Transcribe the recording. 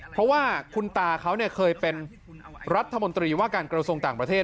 เพราะว่าคุณตาเขาเคยเป็นรัฐมนตรีว่าการกระทรวงต่างประเทศ